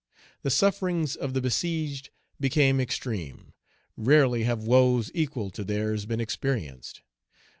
The sufferings of the besieged became extreme; rarely have woes equal to theirs been experienced.